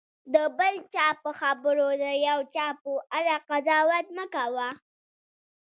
د بل چا په خبرو د یو چا په اړه قضاوت مه کوه.